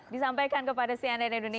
disampaikan kepada cnn indonesia